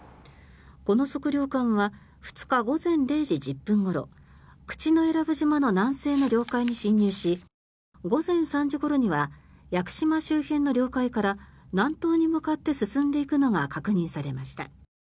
この測量艦は２日午前０時１０分ごろ口永良部島の南西の領海に侵入し午前３時ごろには屋久島周辺の領海から南東に向かって進んでいくのが確認されました。